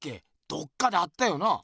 どっかで会ったよなあ？